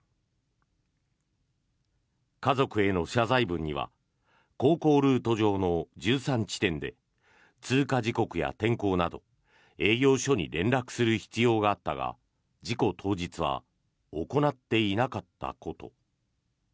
家族への謝罪文には航行ルート上の１３地点で通過時刻や天候など営業所に連絡する必要があったが事故当日は行っていなかったこと。